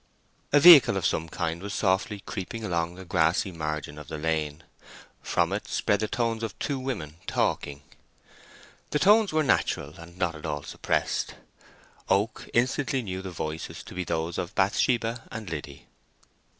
A vehicle of some kind was softly creeping along the grassy margin of the lane. From it spread the tones of two women talking. The tones were natural and not at all suppressed. Oak instantly knew the voices to be those of Bathsheba and Liddy.